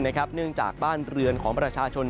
เนื่องจากบ้านเรือนของประชาชน